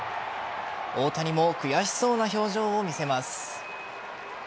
大谷も悔しそうな表情を見せます。